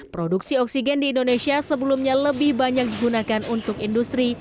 produksi oksigen di indonesia sebelumnya lebih banyak digunakan untuk industri